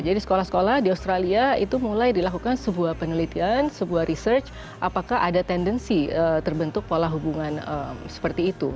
jadi sekolah sekolah di australia itu mulai dilakukan sebuah penelitian sebuah research apakah ada tendensi terbentuk pola hubungan seperti itu